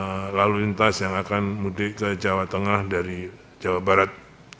kepada lalu lintas yang akan mudik ke jawa tengah dari jawa barat